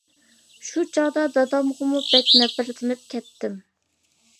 شۇ چاغدا دادامغىمۇ بەك نەپرەتلىنىپ كەتتىم.